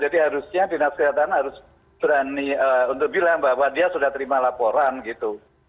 jadi harusnya dinas kesehatan harus berani untuk bilang bahwa dia sudah terima laporan gitu